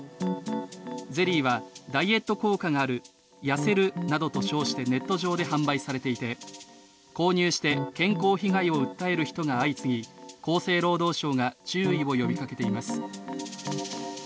ゼリーは、ダイエット効果がある、痩せるなどと称してネット上で販売されていて、購入して健康被害を訴える人が相次ぎ、厚生労働省が注意を呼びかけています。